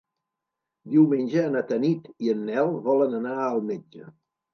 Diumenge na Tanit i en Nel volen anar al metge.